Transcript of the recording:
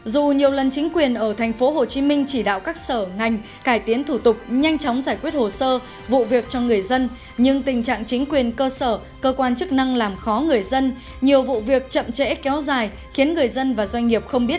xin kính chào và hẹn gặp lại